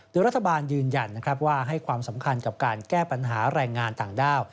โดยรัฐบาลยืนยันว่าให้ความสำคัญกับการแก้ปัญหาแรงงานต่างด้าว